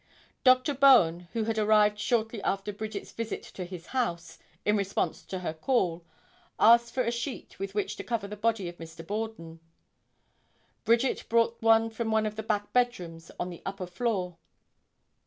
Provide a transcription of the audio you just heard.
Dr. Bowen, who had arrived shortly after Bridget's visit to his house, in response to her call, asked for a sheet with which to cover the body of Mr. Borden. Bridget brought one from one of the back bedrooms on the upper floor.